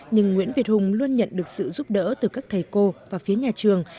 nhưng nguyễn việt hùng luôn nhận được sự giúp đỡ từ các thầy cô và phía nhà trường